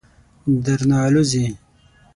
درنه آلوځي.